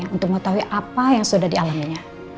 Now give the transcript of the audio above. untuk mengetahui apa yang sudah dialaminya